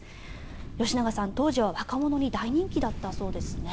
吉永さん、当時は若者に大人気だったそうですね。